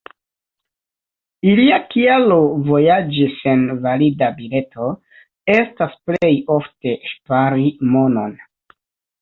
Ilia kialo vojaĝi sen valida bileto estas plej ofte ŝpari monon.